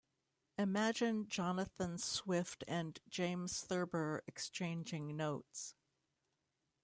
Imagine Jonathan Swift and James Thurber exchanging notes.